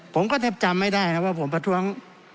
ผมก็แทบจำไม่ได้ครับว่าผมประท้วง